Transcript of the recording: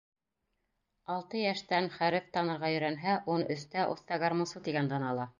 Алты йәштән хәреф танырға өйрәнһә, ун өстә оҫта гармунсы тигән дан ала.